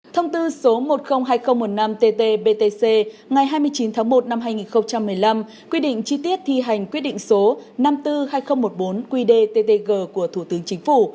thông tư số một trăm linh hai nghìn một mươi năm tt btc ngày hai mươi chín tháng một năm hai nghìn một mươi năm quy định chi tiết thi hành quyết định số năm trăm bốn mươi hai nghìn một mươi bốn qdttg của thủ tướng chính phủ